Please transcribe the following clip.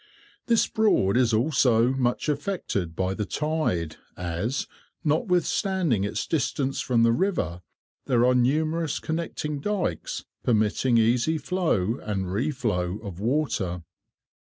This Broad is also much affected by the tide, as, notwithstanding its distance from the river, there are numerous connecting dykes permitting easy flow and re flow of water.